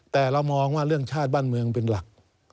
แต่เรามองว่าเรื่องชาติบ้านเมืองเป็นหลัก